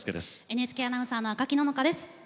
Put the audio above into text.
ＮＨＫアナウンサーの赤木野々花です。